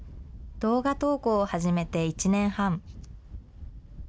動画投稿を始めて１年半。